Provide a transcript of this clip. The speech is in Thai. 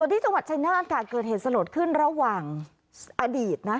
ที่จังหวัดชายนาฏค่ะเกิดเหตุสลดขึ้นระหว่างอดีตนะ